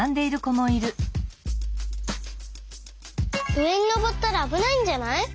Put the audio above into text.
うえにのぼったらあぶないんじゃない？